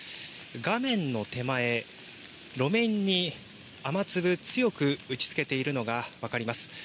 画面の手前、路面に雨粒、強く打ちつけているのが分かります。